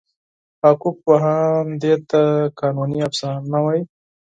حقوقپوهان دې ته قانوني افسانه وایي.